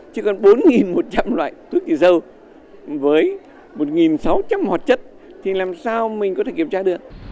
chứ còn bốn một trăm linh loại thuốc trừ dâu với một sáu trăm linh hoạt chất thì làm sao mình có thể kiểm tra được